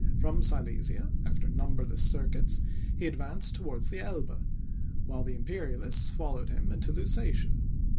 From Silesia, after numberless circuits, he advanced towards the Elbe, while the Imperialists followed him into Lusatia.